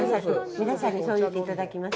皆さんにそう言っていただけます。